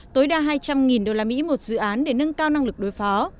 tối đa hai trăm linh usd một dự án để nâng cao năng lực đối phó